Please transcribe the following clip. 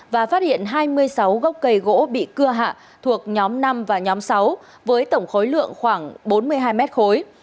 và phát hiện hai mươi sáu gốc cây gỗ bị cưa hạ thuộc nhóm năm và nhóm sáu với tổng khối lượng khoảng bốn mươi hai mét khối